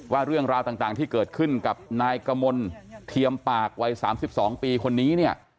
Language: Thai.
ว่าเรื่องราวต่างต่างที่เกิดขึ้นกับนายกะมนต์เทียมปากวัยสามสิบสองปีคนนี้เนี่ย